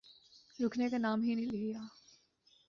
رکنے کا نام ہی نہیں لیا۔